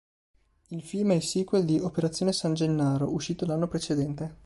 Il film è il sequel di "Operazione San Gennaro", uscito l'anno precedente.